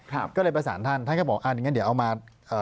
ก็เลยประสานท่านท่านก็บอกอ่าอย่างงั้นเดี๋ยวเอามาเอ่อ